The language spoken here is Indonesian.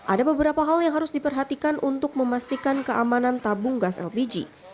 ada beberapa hal yang harus diperhatikan untuk memastikan keamanan tabung gas lpg